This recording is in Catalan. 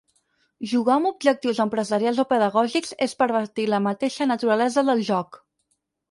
Jugar amb objectius empresarials o pedagògics és pervertir la mateixa naturalesa del joc.